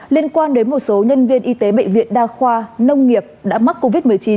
liên quan đến một số nhân viên y tế bệnh viện đa khoa nông nghiệp đã mắc covid một mươi chín